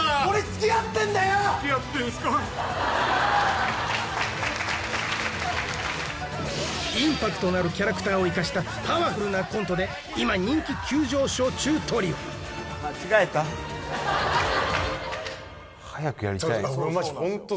つきあってんすかインパクトのあるキャラクターを生かしたパワフルなコントで今人気急上昇中トリオ間違えた俺マジホント